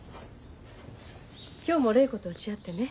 今日も礼子と落ち合ってね